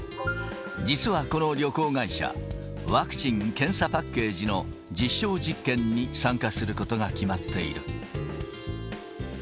実はこの旅行会社、ワクチン・検査パッケージの実証実験に参加することが決まっている。